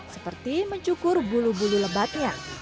seperti mencukur bulu bulu lebatnya